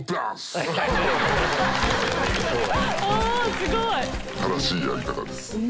すごい！正しいやり方です。